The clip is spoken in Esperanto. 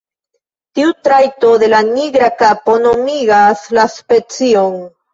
Tiu trajto de la nigra kapo nomigas la specion.